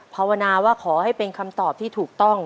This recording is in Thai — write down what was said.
ภาวนาว่าขอให้เป็นคำตอบที่ถูกต้อง